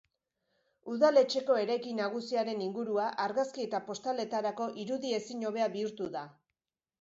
Udaletxeko eraikin nagusiaren ingurua argazki eta postaletarako irudi ezin hobea bihurtu da.